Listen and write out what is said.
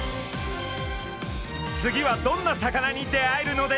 次はどんな魚に出会えるのでしょうか？